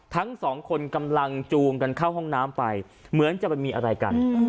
ทั้งสองคนกำลังจูงกันเข้าห้องน้ำไปเหมือนจะไปมีอะไรกัน